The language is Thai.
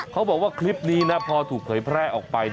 เขาบอกว่าคลิปนี้นะพอถูกเผยแพร่ออกไป